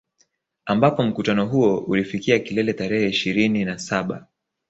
Ambapo mkutano huo ulifikia kilele tarehe ishirini na saba